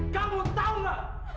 kamu tau gak